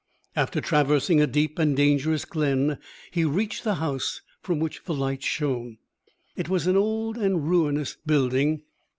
After traversing a deep and dangerous glen, he reached the house from which the light shone. It was an old and ruinous building.